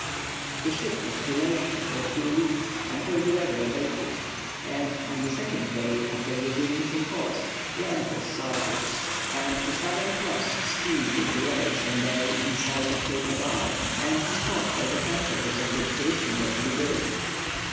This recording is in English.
The ship had to lay to for two days until the weather abated, and, on the second day after resuming her course, land was sighted, and the Southern Cross steamed into Robertson Bay in sight of Cape Adare and the spot where the headquarters of the expedition were to be built.